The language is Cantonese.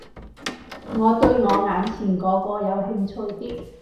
我對我眼前嗰個有興趣啲